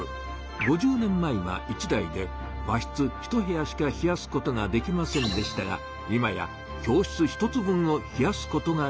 ５０年前は１台で和室ひと部屋しか冷やすことができませんでしたが今や教室ひとつ分を冷やすことができるように。